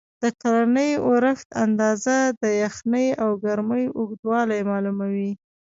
د کلني اورښت اندازه، د یخنۍ او ګرمۍ اوږدوالی معلوموي.